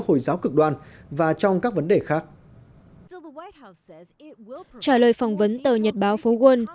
hồi giáo cực đoan và trong các vấn đề khác trả lời phỏng vấn tờ nhật báo phố quân